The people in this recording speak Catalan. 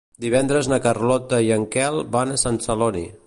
Divendres na Carlota i en Quel van a Sant Celoni.